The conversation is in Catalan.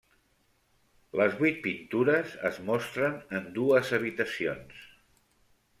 Les vuit pintures es mostren en dues habitacions.